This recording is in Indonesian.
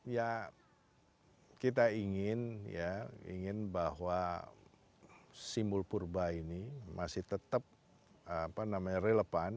ya kita ingin ya ingin bahwa simbol purba ini masih tetap relevan